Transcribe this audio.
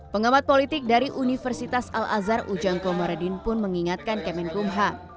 pengamat politik dari universitas al azhar ujang komarudin pun mengingatkan kemenkumham